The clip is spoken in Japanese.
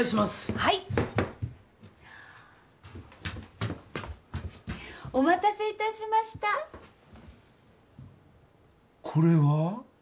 はいッお待たせいたしましたこれは？